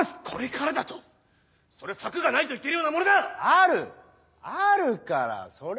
これからだと⁉それ策がないと言ってるようなものだ！